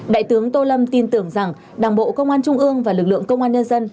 đại tướng tô lâm tin tưởng rằng đảng bộ công an trung ương và lực lượng công an nhân dân